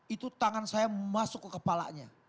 itu tangan saya masuk ke kepalanya